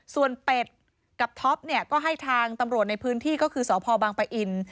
ส่วนเป็ดกับท็อปก็ให้ทางตำรวจในพื้นที่ก็คือสพปอินทร์